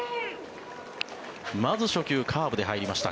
まず、初球カーブで入りました。